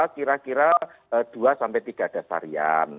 kira kira dua sampai tiga dasarian